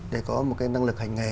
để có một cái năng lực hành nghề